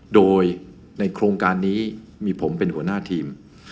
โดยในโครงการนี้มีผมเป็นหัวหน้าทีม